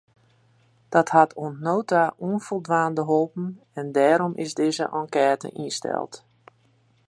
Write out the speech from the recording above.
Dat hat oant no ta ûnfoldwaande holpen en dêrom is dizze enkête ynsteld.